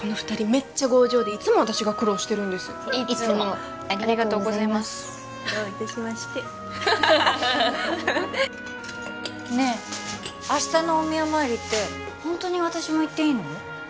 めっちゃ強情でいつも私が苦労してるんですいつもありがとうございますいつもありがとうございますどういたしましてねえ明日のお宮参りってホントに私も行っていいの？